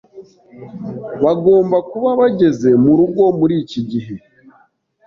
Bagomba kuba bageze murugo muriki gihe.